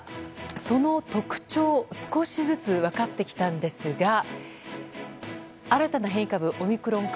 その特徴少しずつ分かってきたんですが新たな変異株、オミクロン株。